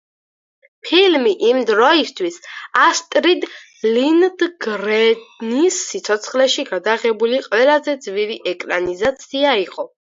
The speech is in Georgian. ფილმი იმ დროისთვის ასტრიდ ლინდგრენის სიცოცხლეში გადაღებული ყველაზე ძვირი ეკრანიზაცია იყო.